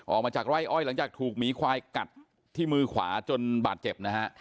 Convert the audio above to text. ออกมาจากไร่อ้อยหลังจากถูกหมีควายกัดที่มือขวาจนบาดเจ็บนะฮะ